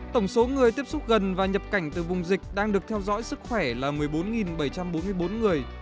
tổng số người tiếp xúc gần và nhập cảnh từ vùng dịch đang được theo dõi sức khỏe là một mươi bốn bảy trăm bốn mươi bốn người